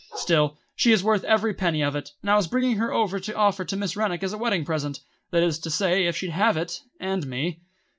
Still, she is worth every penny of it, and I was bringing her over to offer to Miss Rennick as a wedding present, that is to say if she'd have it and me."